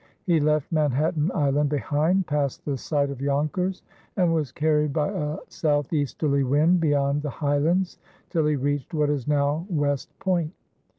He left Manhattan Island behind, passed the site of Yonkers, and was carried by a southeasterly wind beyond the Highlands till he reached what is now West Point.